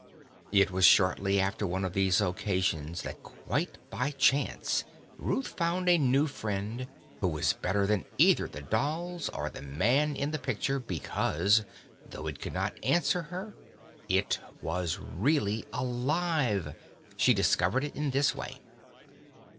It was shortly after one of these occasions that quite by chance Ruth found a new friend, who was better than either the dolls or the man in the picture, because, though it could not answer her, it was really alive. She discovered it in this way.